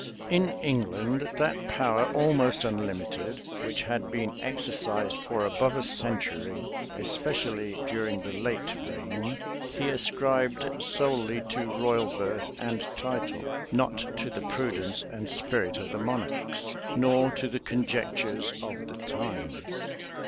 In England, that power, almost unlimited, which had been exercised for above a century, especially during the late reign, he ascribed solely to royal birth and title; not to the prudence and spirit of the monarchs, nor to the conjunctures of the times.